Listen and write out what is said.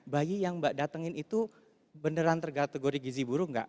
bayi yang mbak datengin itu beneran terkategori gizi buruk nggak